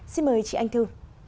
xin mời chị anh thư